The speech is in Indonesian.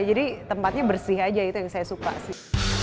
jadi tempatnya bersih aja itu yang saya suka sih